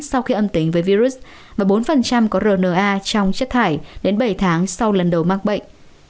sau khi âm tính với virus và bốn có rna trong chất thải đến bảy tháng sau lần đầu mắc bệnh